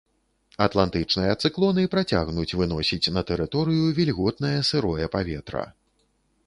Атлантычныя цыклоны працягнуць выносіць на тэрыторыю вільготнае сырое паветра.